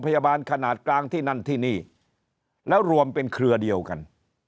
ขนาดกลางที่นั่นที่นี่แล้วรวมเป็นเครือเดียวกัน